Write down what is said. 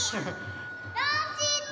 どんちっち。